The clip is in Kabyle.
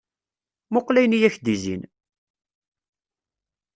Muqqel ayen i ak-d-izzin!